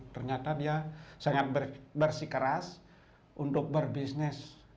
ternyata dia sangat bersikeras untuk berbisnis